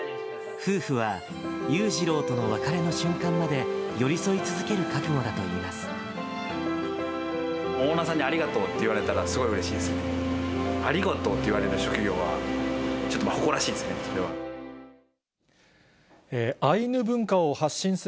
夫婦はユウジロウとの別れの瞬間まで、寄り添い続ける覚悟だといいます。